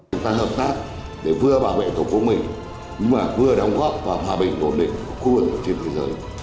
chúng ta hợp tác để vừa bảo vệ tổ quốc mình vừa đóng góp vào hòa bình tổn định của khu vực trên thế giới